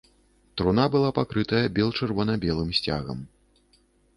Труна была пакрытая бел-чырвона-белым сцягам.